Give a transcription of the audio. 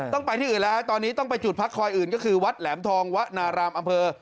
ไปที่อื่นแล้วฮะตอนนี้ต้องไปจุดพักคอยอื่นก็คือวัดแหลมทองวนารามอำเภอ